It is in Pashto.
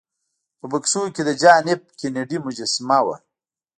په بکسونو کې د جان ایف کینیډي مجسمه وه